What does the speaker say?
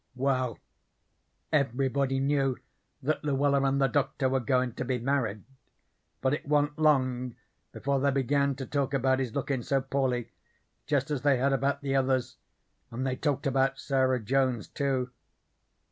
"Well, everybody knew that Luella and the Doctor were goin' to be married, but it wa'n't long before they began to talk about his lookin' so poorly, jest as they had about the others; and they talked about Sarah Jones, too.